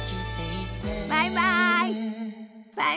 バイバイ！